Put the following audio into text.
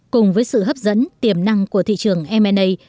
cùng với sự hấp dẫn tiềm năng của thị trường m a